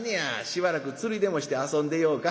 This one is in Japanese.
しばらく釣りでもして遊んでようか」。